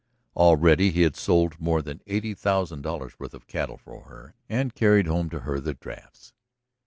Already he had sold more than eighty thousand dollars' worth of cattle for her, and carried home to her the drafts.